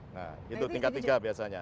nah itu tingkat tiga biasanya